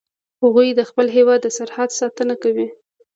هغوی د خپل هیواد د سرحد ساتنه کوي